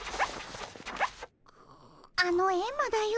あのエンマ大王